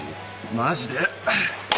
マジで。